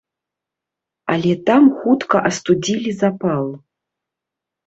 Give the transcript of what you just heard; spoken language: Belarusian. Але там хутка астудзілі запал.